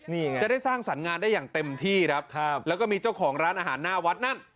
นี่ไงจะได้สร้างสรรค์งานได้อย่างเต็มที่ครับแล้วก็มีเจ้าของร้านอาหารหน้าวัดนั่น